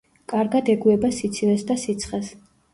კარგად ეგუება სიცივეს და სიცხეს.